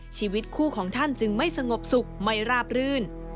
ชีวิตคู่ของท่านจึงไม่สงบสุขไม่ราบรื่น